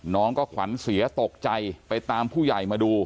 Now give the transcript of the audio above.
น้องก็ขวัญเสียตกใจไปตามผู้ใหญ่มาดู